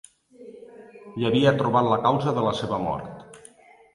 Hi havia trobat la causa de la seva mort